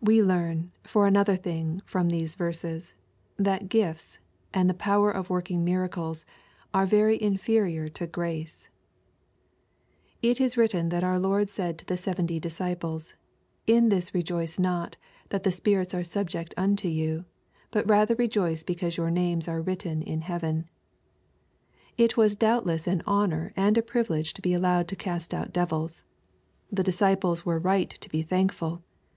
We learn, for another thing, from these verses, that gifts ^ and power of working miracles, are very inferior to grace. It is written that our Lord said to the seventy disciples, " In this rejoice not, that the spirits are subject unto you, but rather rejoice because your names are written in heaven." It was doubtless an honor and a privilege to be allowed to cast out devils. The disciples were right to be thankful.